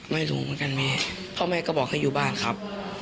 ไม่รู้เหมือนกันแม่พ่อแม่ก็บอกให้อยู่บ้านครับ